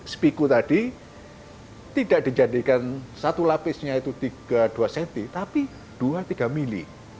sepiku tadi tidak dijadikan satu lapisnya itu tiga dua cm tapi dua tiga mm